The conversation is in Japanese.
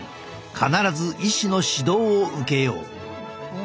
必ず医師の指導を受けよう。